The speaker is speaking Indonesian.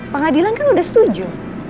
pengadilan kan udah setuju